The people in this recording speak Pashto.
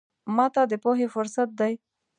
ماته د پوهې فرصت دی.